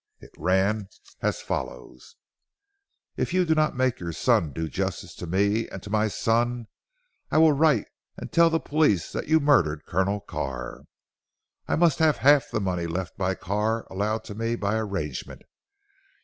It ran as follows: "If you do not make your son do justice to me and to my 'son, I will write and tell the police that you murdered Colonel Carr. I must have half the money left by Carr allowed to me by arrangement.